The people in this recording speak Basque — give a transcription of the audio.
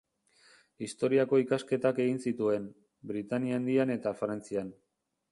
Historiako ikasketak egin zituen, Britainia Handian eta Frantzian.